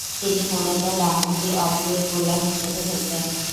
তিনি মূলতঃ ডানহাতি অফ ব্রেক বোলার হিসেবে খেলতেন।